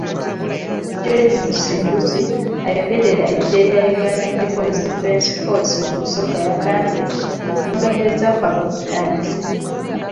George Musinguzi, ayogerera eggye lya Uganda People's Defence Force mu Busoga yagambye, okunonyereza kwabwe kutandise.